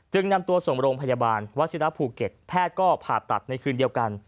นำตัวส่งโรงพยาบาลวัชิระภูเก็ตแพทย์ก็ผ่าตัดในคืนเดียวกัน